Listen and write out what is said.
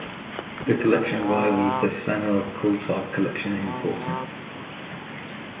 The collection rivals the Samuel Courtauld Collection in importance.